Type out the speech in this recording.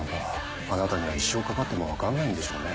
あなたには一生かかっても分かんないんでしょうね。